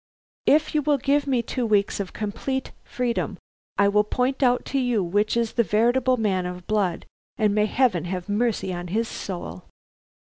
If you will give me two weeks of complete freedom, I will point out to you which is the veritable man of blood, and may Heaven have mercy on his soul!"